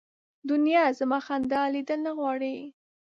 دنیا زما خندا لیدل نه غواړي